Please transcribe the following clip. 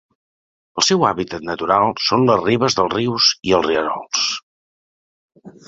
El seu hàbitat natural són les ribes dels rius i rierols.